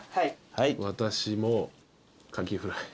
私もカキフライ。